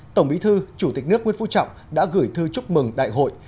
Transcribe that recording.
tổng bí thư chủ tịch nước nguyễn phú trọng đã gửi thư chúc mừng đại hội